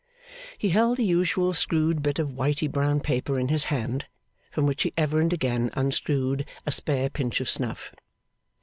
He held the usual screwed bit of whitey brown paper in his hand, from which he ever and again unscrewed a spare pinch of snuff.